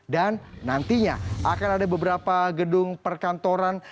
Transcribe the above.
dan nantinya akan ada beberapa gedung perkantoran